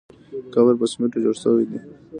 قبر په سمېټو جوړ شوی دی.